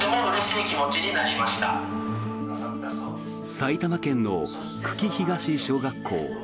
埼玉県の久喜東小学校。